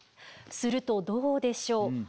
するとどうでしょう？